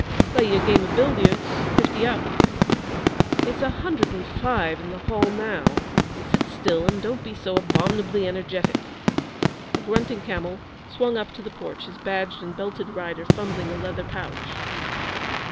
'Play you game o' billiards fifty up.' 'It's a hundred and five in the hall now. Sit still and don't be so abominably energetic.' A grunting camel swung up to the porch, his badged and belted rider fumbling a leather pouch.